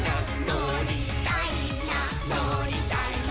「のりたいなのりたいな」